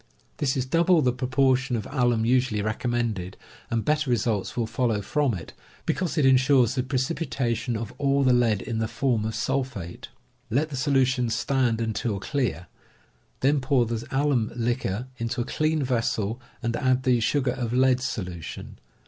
This is double the proportion of alum usually recommended, and better results will follow from it, because it insures the precipitation of all the lead in the form of sul phate. Let the solutions stand until clear; then pour the alum liquor into a clean vessel, and add the sugar of lead solution.